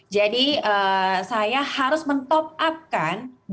jadi saya harus men top up kan